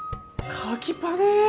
カキパネ。